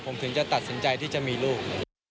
ผมถึงจะตัดสินใจที่จะมีลูก